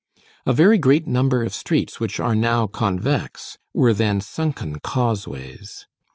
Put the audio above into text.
A very great number of streets which are now convex were then sunken causeways.